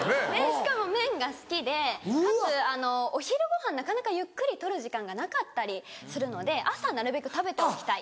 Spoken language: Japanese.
しかも麺が好きでかつお昼ごはんなかなかゆっくり取る時間がなかったりするので朝なるべく食べておきたい。